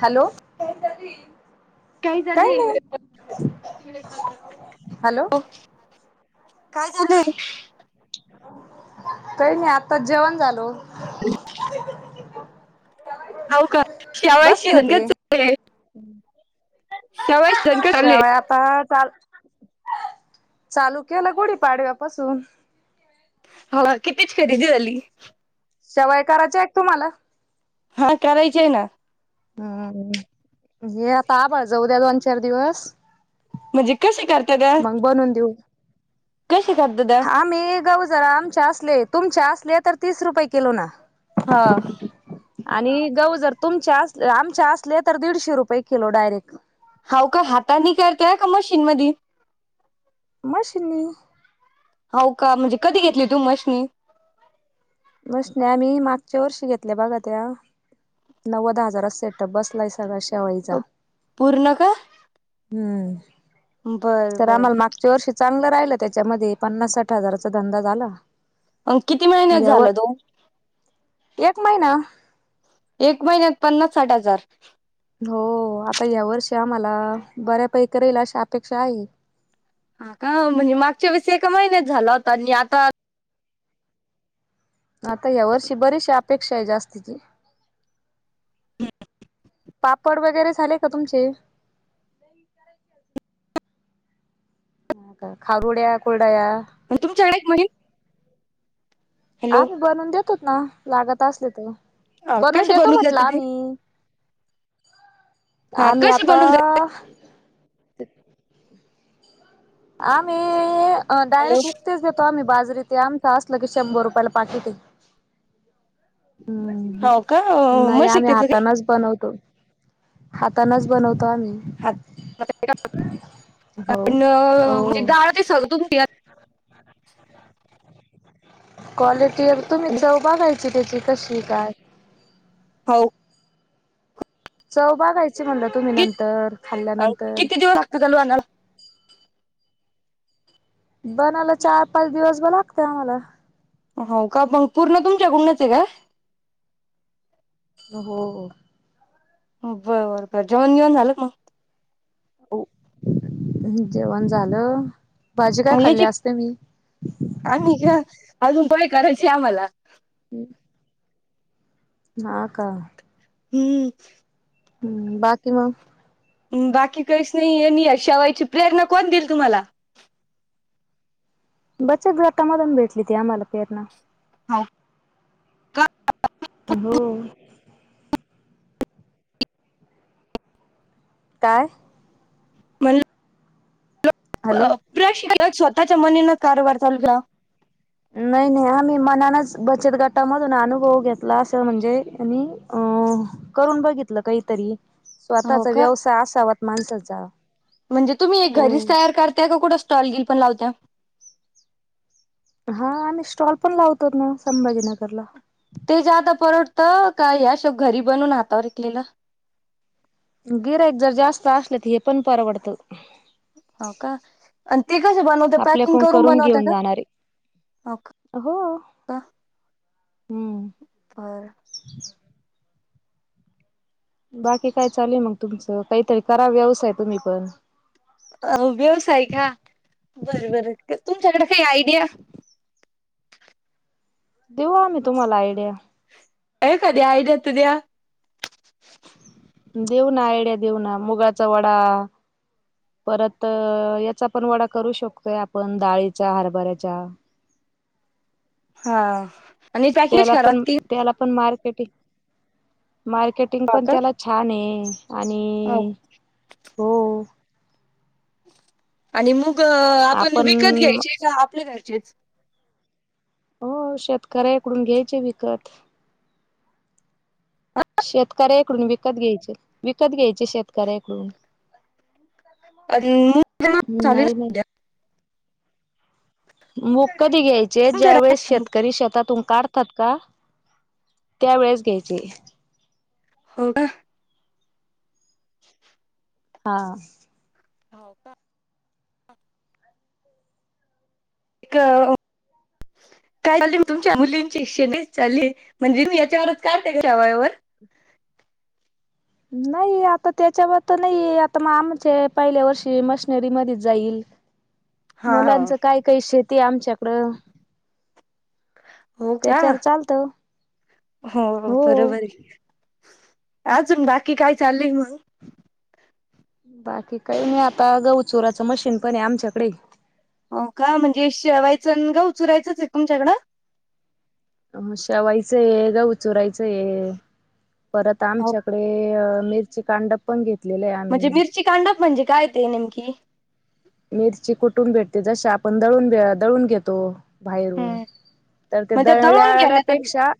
Hello. काय चालू काही ये? नाही हॅलो काय चालू ये? काही नाही आताच जेवण झालं बग हो का शेवाय बसले शिजन का होते शेवाय शिजन का चालले शिवाय आता चाल चालू केलं गुडी पाडव्या पासून हा कितीची खरेदी झाली. शेवाया करायच्या का तुम्हाला? हा करायची आहे ना हम्म, हे आता आभाळ जाउद्या दोन चार दिवस म्हणजे कसे करत्या ते? मग बनवून देऊ. कसे करता ते? आम्ही गहू जरा आमचे असले, तुमच्या असले तर तीस किलो ना हा. आणि गहू जर तुमच्या अस आमच्या असले तर दीडशे रुपये किलो डायरेक्ट. हाव का हातानी करत्या का मशीन मधी मशीननी. हो का म्हणजे कधी घेतली तुम्ही मशनी? मशीनि आम्ही मागच्या वर्षी घेतल्या बघा त्या नव्वद हजारात सेटअप बसलाय सगळा चा पूर्ण का हम्म बर तर बर आम्हाला माग च्या वर्षी चांगलं राहिलं त्याच्यामध्ये, पन्नास साठ हजाराचा धंदा झाला. अ किती महिन्यात यावर झाला तो? एक महिना. एक महिन्यात पन्नास साठ हजार. हो आता या वर्षी आम्हाला बऱ्यापैकी राहील अशी अपेक्षा आहे. हा का म्हणजे मागच्या वेळेस एका महिन्यात झाला होता. आणि आता आता ह्या वर्षी बरीचशी अपेक्षा आहे जास्तीची पापड वगैरे झाले का तुमचे? करायची अस- खारुड्या कुलड्या तुमच्याकडे एक महिन हॅलो आम्ही बनवून देतोत ना लागत असले तर बनवून कसे देतो बनून म्हटलं जाते ते आम्ही. हा आम्ही कसे आता बनून जाते [inaudible] आम्ही हॅलो डायरेक्ट उकतेच देतो आम्ही बाजरी तेे आमचं असलं की, शंभर रुपयाला पाकीटेय हम्म हो का नाही मस्त आम्ही त्याचं ते हातानाच बनवतो. हातानचं बनवतो आम्ही. हात [unintelligible] हो न.. अ.. ते हो गाळ ते [unintelligible] [inaudible] काॅलेजची एक तुम्ही चव बघायची त्याची कशी काय? होव. चव बागायची म्हणलं तुम्ही कि नंतर, खाल्ल्यानंतर. किती [unintelligible] बनाला चार-पाच दिवस ब लागतय आम्हाला. हो का मंग पूर्ण तुमच्या तुमच्याकडूनचंय काय? हो. बरं बरं काय जेवण बिवन झालं का मग? हो. जेवाण झालं, भाजी काय मग खाल्ली याची आज त्यांनी? आम्ही जा आजून पोहे करायचे आम्हाला. हम्म. हा का. हम्म. हम्म, बाकी मग? बाकी कईच नईये अन् अशा वेळची प्रेरणा कोण दील तुम्हाला? बचत गटामधून भेटली ती आम्हाला प्रेरणा. हाव का [unintelligible] हो. काय? म्हणलं ल हॅलो प प्रश्न स्वतःच्या मनीन कारभार चालू द्या. नाई नाई, आम्ही मनानंचं बचत गटामधून आनुभव घेतला असं म्हणजे आणि अ करून बघितलं कईतरी हो स्वतःचा का व्यवसाय असावात माणसाचा. म्हणजे तुम्ही हो घरीचं तयार करताय का कुठं स्टॉलगिल पण लावत्या? हा आम्ही स्टॉल पण लावतोत ना, संभाजीनगरला. ते जे आता परवडतं का हे आश घरी बनून हातावर विकलेलं? गिरायीक जर जास्त आसलं तर हे पण परवडतं. हाव का? अन् ते कस बनवत्या पॅकिंग आपल्याकडून करून बनवत्या घेऊन का? जाणारे हो हो. हम्म. बर. बाकी काय चालूय मंग तुमचं? काईतरी करा व्यवसाय तुम्ही पण. अ व्यवसाय का? बरं बरं तुमच्याकडे काही आयडिया? देऊ आम्ही तुम्हाला आयडीया. ए कधी आईडीया त द्या. देऊ ना आयडिया देऊ ना, मुगाचा वडा परत याचा पण वडा करू शकतोय आपण डाळीच्या, हरभऱ्याच्या [inaudible] हा आणि पॅकेज त्याला ले पण घरातील त्याला पण मार्केटिंग, मार्केटिंग हो पण का त्याला छानये. हो आणि हो. आणि मुग आपण विकत आपण घ्यायची का, आपल्या घरचेचं? हो शेतकऱ्याकडून घ्यायचे विकत. शेतकऱ्याकडून विकत घ्यायचे. विकत घ्यायचे शेतकऱ्याकडून, चालेल नाही नाही. सध्या मुग कधी घ्यायचे, ज्या तुमच्याकडे आहे वेळेस का मग? शेतकरी शेतातून काढ तात का त्यावेेळेस घ्यायचे. हो का? हा हो का? एक काय चालेल तुमच्या मुलींची श्षे नाही चाले म्हणजे मी याच्यावरच काढतेच्या वयावर? नाही, आता त्याच्यावर तर नाही आता मग आमच्या पहिल्या वर्षी मशनरी मधी जाईल. हा हो. मुलांचं काय, काय शेती हाय आमच्याकडं. हो का? त्याच्यावर चालतं हो हो बरोबर हेय अजून बाकी काय? चालय मग? बाकी काही नाही आता, गहु चुराचं मशीन पण आहे आमच्याकडे. हो का? म्हणजे शेवायचं गहू चुरायचंच एक तुमच्याकडं? अ म शेवायच गहू चूराय चे, परत हो आमच्याकडे मिरची कांडप पण घेतलेले हाय म्हणजे आम्ही. मिरची कांडप म्हणजे काय ते नेमकी? मिरची कुठून भेटते जश आपण दळून भ दळून घेतो. बाहेरून हं. तर ते मग त्या दळून घेण्या दळल्याल्यापेक्षा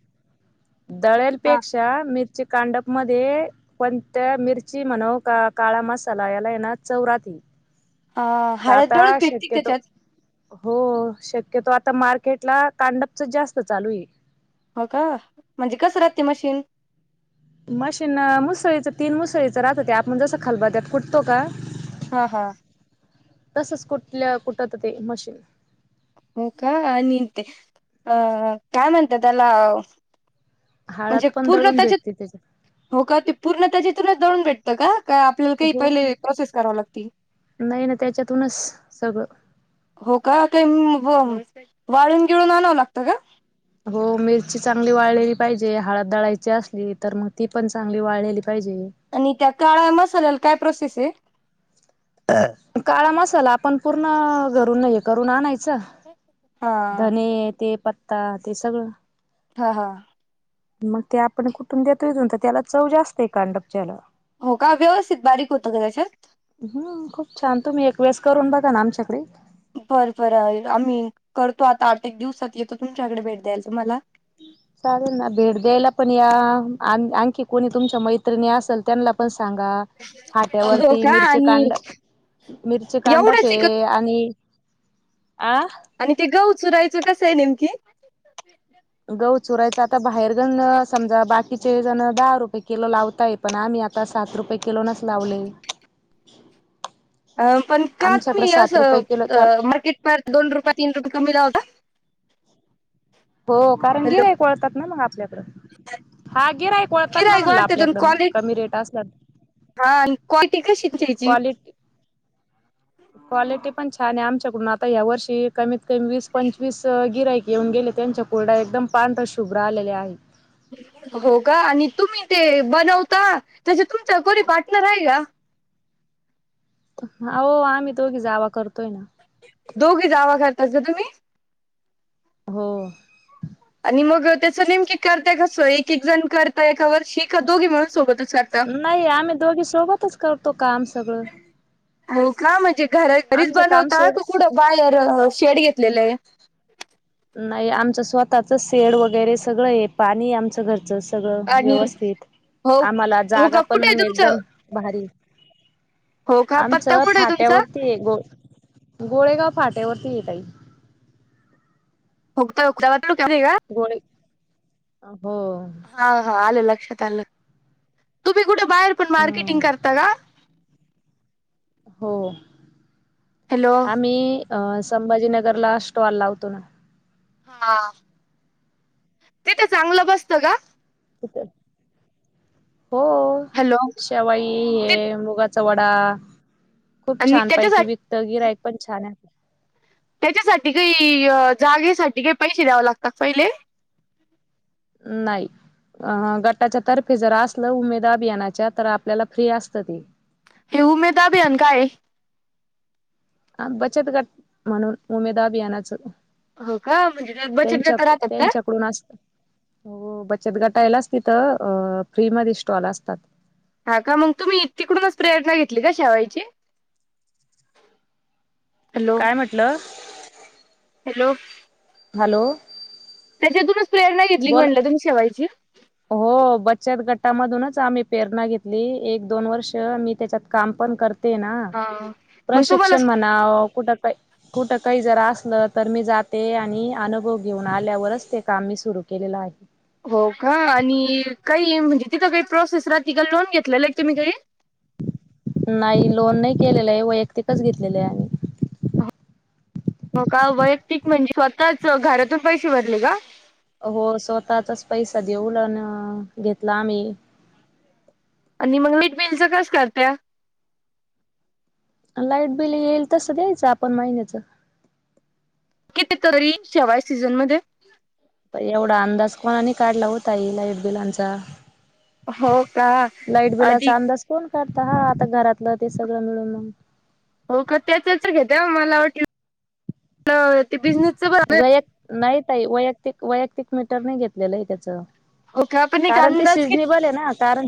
हां दळ्यालपेक्षा मिरची कांडप मध्ये कोणत्या मिरची म्हणव काळा मसाला याला येणार चौ राती. हा, हळद दळून भेटती त्येच्यात? हो शक्यतो आता मार्केटला, कांडपच जास्त चालूय हो का? म्हणजे कसं राहते मशीन? मशीन मुसळीचं तीन मुसळीचं राहत त्या, आपण जसं खालबत्यात कुटतो का हा हा तसच कुठल्या, कुठत ते मशीन हो का? आणि ते, अह काय म्हणतात त्येला? हाळात म्हणजे पण पूर्ण दळून त्येच्यात भेटते त्याच्यात हो का ते पूर्ण त्याची तुला दळून भेटतं का? का काही, काही हो पहिले कोशिश कराव लागती नाही ना त्याच्यातूनच सगळं हो का? ते वाळून गिळून आणावं लागतं का? हो मिरची चांगली वाळलेली पाहिजे, हळद दळायची असली तर मग ती पण चांगली वाळलेली पाहिजे. आणि त्या काळ्या मसाल्याला काय प्रोसेस हे? काळा मसाला आपण पूर्ण घरून हे करून आणायचा हा धने ते पत्ता ते सगळं. हा हा मग ते आपण कुठून देतो का त्याला चव जास्त आहे कांडपच्याला हो का, व्यवस्थित बारीक होतं का त्याच्यात? हम, खूप छान तुम्ही एक वेळेस करून बघा ना आमच्याकडे. बरं बरं आम्ही, करतो आता आठ एक दिवसात येतो तुमच्याकडे भेट द्यायलाच तुम्हाला [unintelligible] चालेल ना भेट द्यायला पण या, आणखी कोणी तुमच्या मैत्रिणी असेल त्यांना पण सांगा. हो फाट्यावरती का मिरची आणि कांड, मिरची एवढंच कांडपे आहे का आणि आ आणि ते गहू चूरायच, कसं आहे नेमकी? गहू चुरायचं आता बाहेरगण, समजा बाकीचे जण दहा रुपये किलो लावतायेत पण आम्ही आता, सात रुपये किलोनच लावले. पण का? आमच्याकडे तुम्ही सात रुपये किलो चाल असं मार्केटपार दोन रुपये, तीन रुपये कमी लावता? हो कारण हॅलो गिर्हाईक वळतात ना, मग आपल्याकडे. हा गिऱ्हाईक वळतात ना गिराईक म्हणलं वाढते पण आपल्याकडं मग, क्वालिटी कमी रेट असला हा आणि क्वालटी कशी आहे त्याच्या हेची? क्वालिटी क्वालिटी पण छान आहे. आमच्याकडून आता, या वर्षी कमीत कमी वीस पंचवीस गिरायईक येऊन गेले. त्यांच्या कोरडया, एकदम पांढर शुभ्र आलेल्या आहे. हो का? आणि तुम्ही ते बनवता, तसं तुमचं कोणी पार्टनर आहे का? हा हो! आम्ही दोघी जावा करतोय ना. दोघी जावा करतात का तुम्ही? हो. आणि मग त्याचं नेमके, करताय कसं? एक एक जण करताय एका वर्षी? का दोघी मिळून सोबतच कर नाही. आम्ही दोघी, सोबतच करतो काम सगळं. हो का? म्हणजे घर घरीच आमचं काम बनवता सोड का? कुठं बाहेर शेड घेतलेलं आहे? नाही, आमचं स्वतःचं शेड वगैरे सगळं आहे. पाणी आमचं घरचं अस सगळं आणि व्यवस्थित, हो आम्हाला हो जागा का कुठे आहे पण तुमचं? एकदम भारी हो का पत्ता आमचं कुठे आहे तुमचा? फाट्यावरती एक गो, गोळेगाव फाट्यावरती एक आहे. [unintelligible] गोळे, हो. हा हा, आलं लक्षात आलं. तुम्ही कुठे बाहेर पण, मार्केटिंग करता का? हो! हॅलो आम्ही अ संभाजीनगरला, स्टॉल लावतो ना! हा! तिथे चांगलं बसत का? कुठं? हो! हॅलो! शेवाई, ते हे मुगाचा वडा खूप आणि छान पैकी त्याच्यासाठी विक तिथं गिर्हाईक पण छान आहे. त्याच्यासाठी गं ही, जागे साठी हे पैसे द्यावे लागतात पहिले? नाही. अ गटाच्या तर्फे जर असलं उमेद अभियानाच्या, तर आपल्याला फ्री असतं ती! हे उमेद अभियान काय आहे? हा बचत गट म्हणून, उमेदा अभियानाचं. हो का म्हणजे त्यात बचत त्यांच्या गट राहतात का? त्यांच्याकडून असतं. हो बचत गटायलाच तिथं, अ फ्री मधे स्टॉल असतात. हा का? मग तुम्ही तिकडूनच, प्रेरणा घेतली का शेवायची? हॅलो काय म्हटलं? हॅलो! हॅलो! त्याच्यातूनच प्रेरणा घेतली का, बोल म्हणलं तुम्ही शेवायची? हो बचत गटामधूनच, आम्ही प्रेरणा घेतली. एक, दोन वर्ष मी त्याच्यात काम पण कर ते ना. हा मग तुम्हाला प्रशिक्षण म्हणाव कुठं काही कुठं काही जर असलं, तर मी जाते. आणि अनुभव घेऊन आल्यावरच, ते काम मी सुरू केलेलं आहे. हो का? आणि काही म्हणजे तिथं काही प्रोसेस राहती का? लोन घेतलेला आहे का तुम्ही काही? नाही, लोन नाही केलेला आहे. वैयक्तिकच घेतलेलं आहे आम्ही. हो का वैयक्तिक म्हणजे स्वतःच घरातून पैसे भरले का? हो स्वतचाच पैसा देऊन अन घेतला आम्ही! आणि मग मीट बिलच कस करत्या! !. लाईट बिल येईल तसं द्यायचं, आपण महिन्याचं? किती तरी शेवाय सीझन मध्ये? पन एवढा अंदाज कोणाने काढला होता ओ ताई लाईट बिलांचा! हो का लाईट बिलाचा अधिक अंदाज कोण काढता हा आता घरातलं ते सगळं मिळून मग! हो का त्याचच घेत द्या मला वाट ते बिझनेसच ब! नाहीताई वैयक्तिक वैयक्तिक मीटर नाही घेतलेलं आहे त्याचं! ! हो का पण एक कारण ते अंदाज किती सिझनेबल आहे ना कारण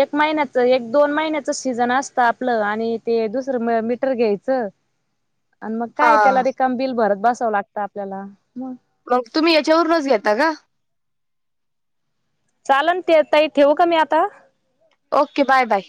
एक महिन्याच एक दोन महिन्याच सीजन असतं आपलं आणि ते दुसरं मीटर घ्यायचं आणि मग काय हा त्याला रिकाम बिल भरत बसावं लागतं आपल्याला मग मग तुम्ही याच्यावरूनच घेता का चालन ते ताई ठेवू का मी आता ओके बाय बाय